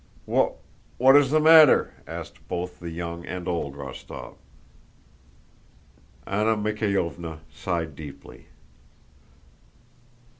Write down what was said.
"Wh what is the matter?" asked both the young and old Rostóv. Anna Mikháylovna sighed deeply.